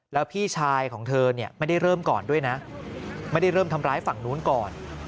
แล้วพี่ชายของเธอเนี่ยไม่ได้เริ่มก่อนด้วยนะไม่ได้เริ่มทำร้ายฝั่งนู้นก่อน